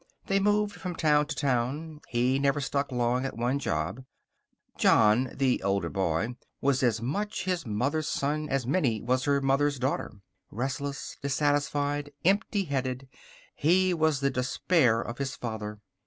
They moved from town to town. He never stuck long at one job. John, the older boy, was as much his mother's son as Minnie was her mother's daughter. Restless, dissatisfied, emptyheaded, he was the despair of his father.